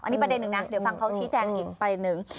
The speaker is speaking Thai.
อันนี้ประเด็นหนึ่งนะเดี๋ยวฟังเขาชี้แจงอีกประเด็นหนึ่ง